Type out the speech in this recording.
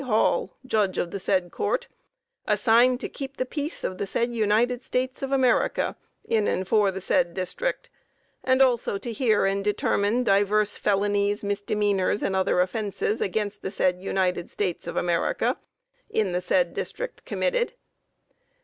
Hall, Judge of the said Court, assigned to keep the peace of the said United States of America, in and for the said District, and also to hear and determine divers Felonies, Misdemeanors and other offenses against the said United States of America, in the said District committed.